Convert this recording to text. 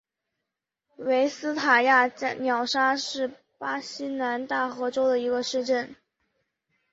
维斯塔加乌沙是巴西南大河州的一个市镇。